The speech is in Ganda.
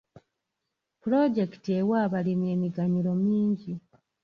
Pulojekiti ewa abalimi emiganyulo mingi.